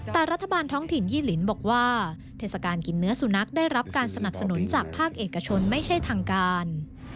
แต่รัฐบาลท้องถิ่นยี่ลินบอกว่าเทศกาลกินเนื้อสุนัขได้รับการสนับสนุนจากภาคเอกชนไม่ใช่ทางการ